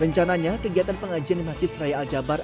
rencananya kegiatan pengajian di masjid raya al jabar